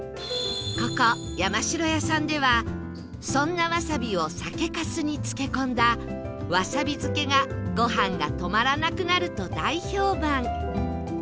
ここ山城屋さんではそんなわさびを酒粕に漬け込んだわさび漬がご飯が止まらなくなると大評判